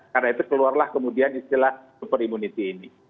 karena itu keluarlah kemudian istilah super immunity ini